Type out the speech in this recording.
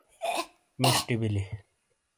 مݜٹی بلی۔